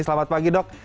selamat pagi dok